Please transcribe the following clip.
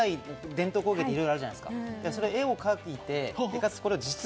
すごく小さい伝統工芸っていろいろあるじゃないですか。